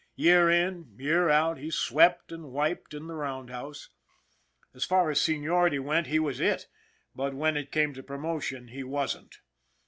Year in, year out, he swept and wiped in the roundhouse. As far as seniority went he was it, but when it came to promotion he wasn't.